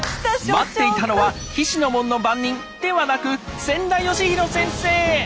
待っていたのは菱の門の番人！ではなく千田嘉博先生！